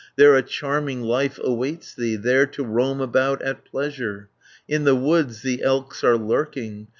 There a charming life awaits thee, There to roam about at pleasure. In the woods the elks are lurking.